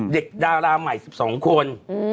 เด็กดาราใหม่๑๒คน